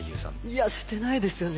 いやしてないですよね。